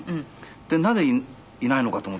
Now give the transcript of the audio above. でなぜいないのかと思って。